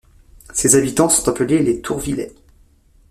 Ces habitants sont appelés les Tourvillais.